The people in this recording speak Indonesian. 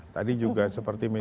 tadi juga seperti misalnya